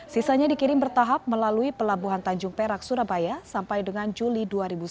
sisanya dikirim bertahap melalui pelabuhan tanjung perak surabaya sampai dengan juli dua ribu sembilan belas